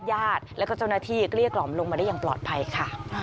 ญาติแล้วก็เจ้าหน้าที่เกลี้ยกล่อมลงมาได้อย่างปลอดภัยค่ะ